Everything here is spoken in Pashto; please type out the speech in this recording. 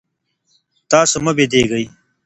تاسي مه بېدېږئ.